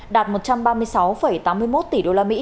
đạt một trăm ba mươi sáu tám mươi một tỷ usd